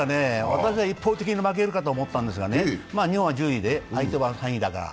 私は一方的に負けると思ったんですがね、日本は１０位で、相手は３位だから。